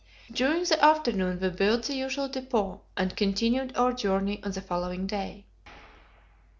During the afternoon we built the usual depot, and continued our journey on the following day.